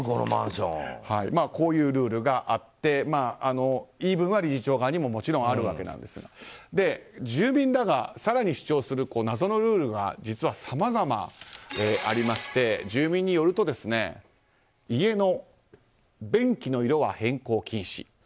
こういうルールがあって言い分は理事長側にももちろんあるわけなんですが住民らが更に主張する謎のルールが実は、さまざまありまして住人によると家の便器の色は変更禁止。